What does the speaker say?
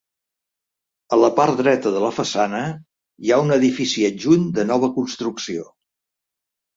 A la part dreta de la façana, hi ha un edifici adjunt de nova construcció.